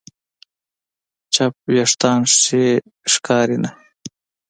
چپ وېښتيان ښې ښکاري نه.